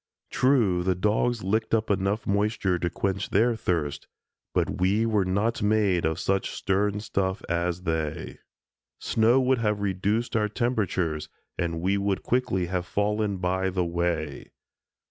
True, the dogs licked up enough moisture to quench their thirsts, but we were not made of such stern stuff as they. Snow would have reduced our temperatures and we would quickly have fallen by the way.